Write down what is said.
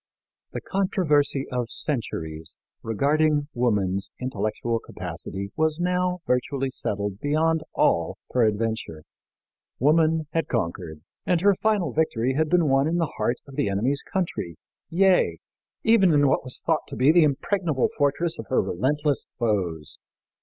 " The controversy of centuries regarding woman's intellectual capacity was now virtually settled beyond all peradventure. Woman had conquered, and her final victory had been won in the heart of the enemy's country, yea, even in what was thought to be the impregnable fortress of her relentless foes.